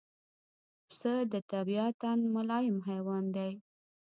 پسه د طبعاً ملایم حیوان دی.